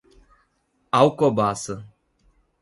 Alcobaça